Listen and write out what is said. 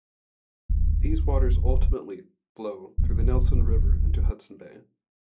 These waters ultimately flow through the Nelson River into Hudson Bay.